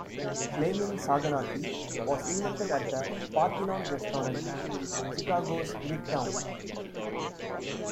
Flaming Saganaki was invented at the Parthenon Restaurant in Chicago's Greektown.